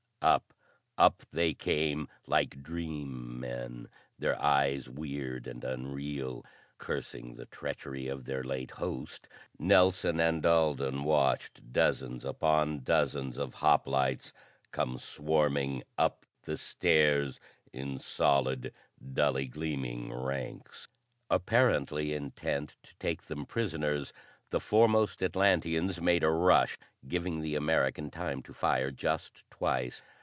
Up, up, they came, like dream men, their eyes weird and unreal. Cursing the treachery of their late host, Nelson and Alden watched dozens upon dozens of hoplites come swarming up the stairs in solid, dully gleaming ranks. Apparently intent to take them prisoners, the foremost Atlanteans made a rush, giving the American time to fire just twice.